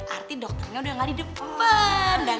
artinya dokternya udah gaada di depan